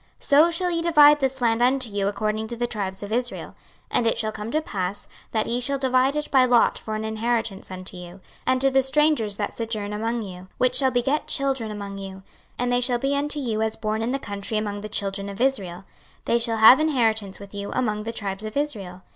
26:047:021 So shall ye divide this land unto you according to the tribes of Israel. 26:047:022 And it shall come to pass, that ye shall divide it by lot for an inheritance unto you, and to the strangers that sojourn among you, which shall beget children among you: and they shall be unto you as born in the country among the children of Israel; they shall have inheritance with you among the tribes of Israel.